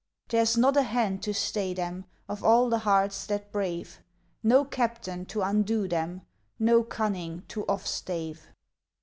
There's not a hand to stay them, Of all the hearts that brave; No captain to undo them, No cunning to off stave.